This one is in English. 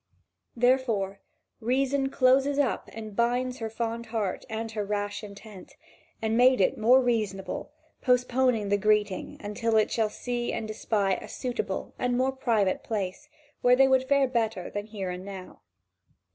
Therefore reason closes up and binds her fond heart and her rash intent, and made it more reasonable, postponing the greeting until it shall see and espy a suitable and more private place where they would fare better than here and now.